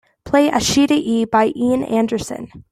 Play Ashita E by Ian Anderson